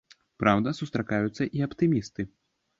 Праўда, сустракаюцца і аптымісты.